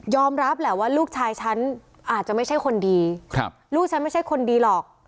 รับแหละว่าลูกชายฉันอาจจะไม่ใช่คนดีครับลูกฉันไม่ใช่คนดีหรอก